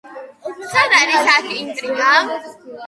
სად არის აქ ინტრიგა?